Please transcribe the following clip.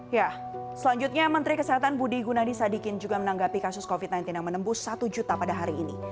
ya selanjutnya menteri kesehatan budi gunadi sadikin juga menanggapi kasus covid sembilan belas yang menembus satu juta pada hari ini